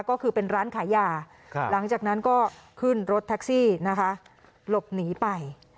ก็คือเป็นร้านขายยาหลังจากนั้นก็ขึ้นรถแท็กซี่นะคะหลบหนีไป